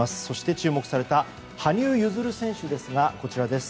そして注目された羽生結弦選手です。